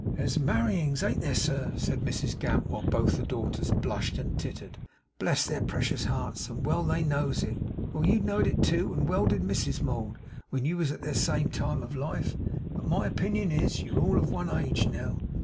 'There's marryings, an't there, sir?' said Mrs Gamp, while both the daughters blushed and tittered. 'Bless their precious hearts, and well they knows it! Well you know'd it too, and well did Mrs Mould, when you was at their time of life! But my opinion is, you're all of one age now.